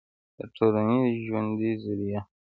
دټولنپېژندې ظریه